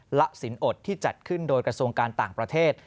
ละสินอดที่จัดขึ้นโดยกระทรวงการต่างประเทศ